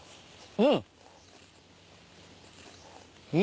うん。